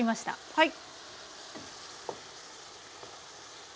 はい。